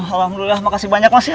alhamdulillah makasih banyak mas ya